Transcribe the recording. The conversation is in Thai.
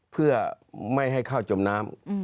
เพื่อไม่ให้ข้าวจมน้ำ